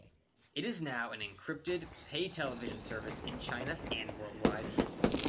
It is now an encrypted pay-television service in China and worldwide.